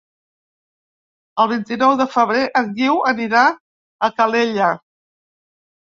El vint-i-nou de febrer en Guiu anirà a Calella.